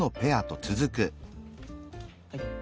はい。